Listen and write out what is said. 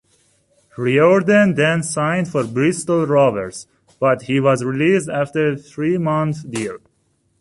Riordan then signed for Bristol Rovers, but he was released after a three-month deal.